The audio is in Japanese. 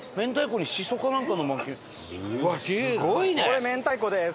これ明太子です。